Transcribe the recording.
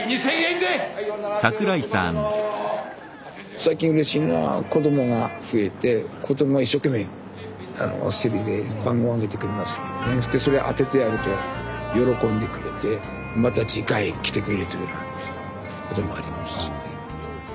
最近うれしいのは子供が増えて子供は一生懸命競りで番号挙げてくれますのでそしてそれを当ててやると喜んでくれてまた次回来てくれるというようなこともありますしね。